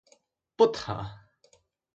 不疼